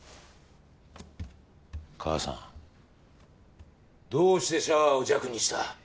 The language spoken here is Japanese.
母さんどうしてシャワーを弱にした？